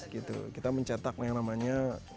kita mencetak yang namanya